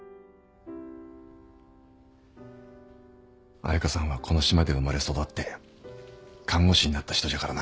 彩佳さんはこの島で生まれ育って看護師になった人じゃからな。